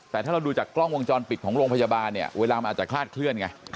แต่ถ้าเราดูจากกล้องวงจรปิดของโรงพยาบาลเนี่ยเวลามันอาจจะคลาดเคลื่อนไง